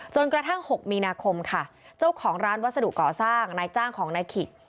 กระทั่ง๖มีนาคมค่ะเจ้าของร้านวัสดุก่อสร้างนายจ้างของนายขิก